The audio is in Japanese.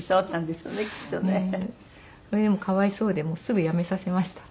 でもかわいそうですぐやめさせました。